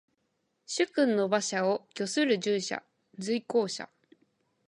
主君の車馬を御する従者。随行者。